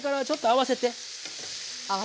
合わせて。